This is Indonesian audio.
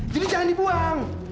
jadi jangan dibuang